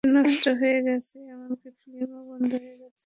Studio নষ্ট হয়ে গেল, এমনকি ফিল্মও বন্ধ হয়ে গেল।